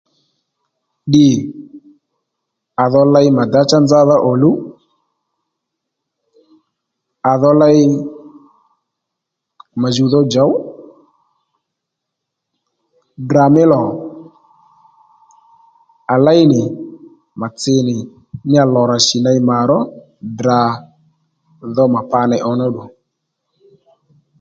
Ddì à dho ley ma dǎ cha nzadha òluw à dho ley mà jùw dho djòw Ddrà mí lò à léy nì mà tsi nì níya lò rà shì ney mà ró Ddrà dho mà pa ney ǒnó ddù